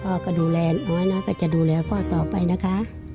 พ่อก็ดูแลน้อยแล้วก็จะดูแลพ่อต่อไปนะคะ